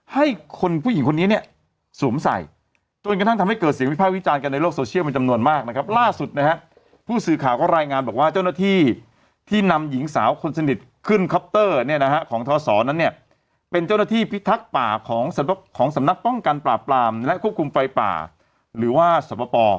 ให้คนผู้หญิงคนนี้เนี้ยสวมใส่จนกระทั่งทำให้เกิดเสียงพิพาย